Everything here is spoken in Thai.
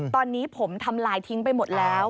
ตอนนี้ผมทำลายทิ้งไปหมดแล้ว